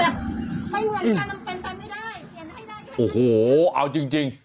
ไม่เหมือนกับนำเต็มตันไม่ได้เปลี่ยนให้ได้โอ้โหเอาจริงจริง